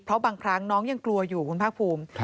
เพราะบางครั้งน้องยังกลัวอยู่คุณภาคภูมิ